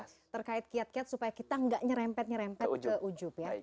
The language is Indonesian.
kita akan berhati hati supaya kita gak nyerempet nyerempet ke ujub ya